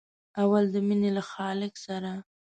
اول د مینې له خالق سره.